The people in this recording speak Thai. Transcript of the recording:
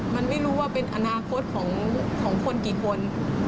มันไม่รู้ว่าเป็นอนาคตของคนกี่คน